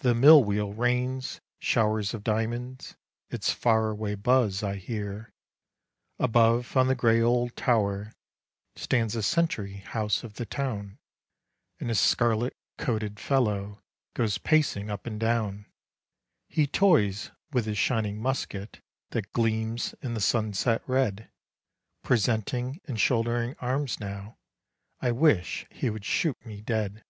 The mill wheel rains showers of diamonds, Its far away buzz I hear. Above on the gray old tower Stands the sentry house of the town, And a scarlet coated fellow Goes pacing up and down. He toys with his shining musket That gleams in the sunset red, Presenting and shouldering arms now I wish he would shoot me dead.